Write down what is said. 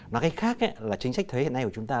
nói cách khác là chính sách thuế hiện nay của chúng ta